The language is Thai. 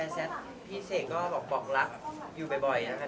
เขาออกมาถามก็รักเขาเลยแหละ